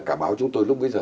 cả báo chúng tôi lúc bây giờ